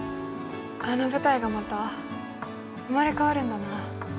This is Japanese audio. あの舞台がまた生まれ変わるんだな。